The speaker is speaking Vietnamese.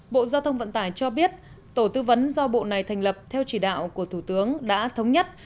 bộ giao thông vận tải cho biết tổ tư vấn do bộ này thành lập theo chỉ đạo của thủ tướng đã thống nhất